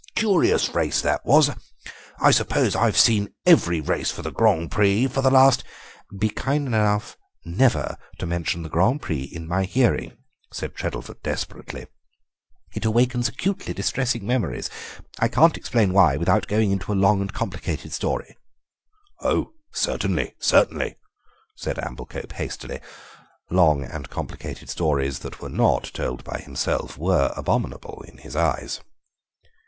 Curious race that was; I suppose I've seen every race for the Grand Prix for the last—" "Be kind enough never to mention the Grand Prix in my hearing," said Treddleford desperately; "it awakens acutely distressing memories. I can't explain why without going into a long and complicated story." "Oh, certainly, certainly," said Amblecope hastily; long and complicated stories that were not told by himself were abominable in his eyes.